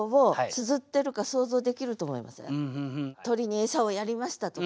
「鶏に餌をやりました」とか。